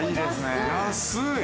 安い。